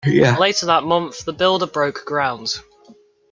Later that month, the builder broke ground.